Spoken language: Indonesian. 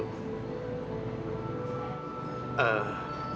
kalau kamu tidak keberatan